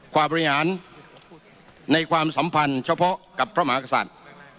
ความบริหารในความสัมพันธ์เฉพาะกับพระมหากษัตริย์